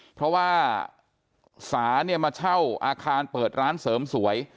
เพราะว่าสาเนี่ยมาเช่าอาคารเปิดร้านเสริมสวย